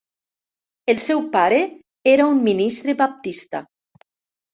El seu pare era un ministre baptista.